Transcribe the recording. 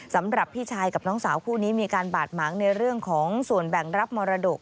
สำหรับพี่ชายกับน้องสาวคู่นี้มีการบาดหมางในเรื่องของส่วนแบ่งรับมรดก